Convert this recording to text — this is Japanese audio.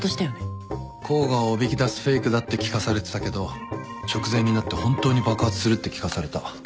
甲賀をおびき出すフェイクだって聞かされてたけど直前になって本当に爆発するって聞かされた。